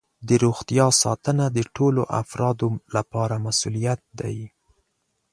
د روغتیا ساتنه د ټولو افرادو لپاره مسؤولیت دی.